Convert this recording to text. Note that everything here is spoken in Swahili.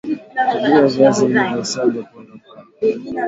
tumia Viazi vilivyosagwa pondwa pondwa